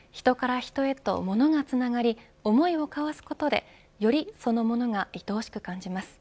人から人へと物がつながり思いを交わすことでよりその物がいとおしく感じます。